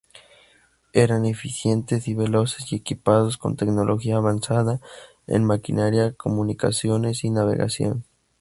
Eran eficientes y veloces y equipados con tecnología avanzada en maquinaria, comunicaciones y navegación.